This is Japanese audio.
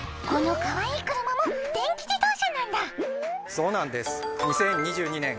そうなんです。